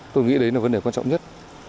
tôi nghĩ đấy là vấn đề quan trọng nhất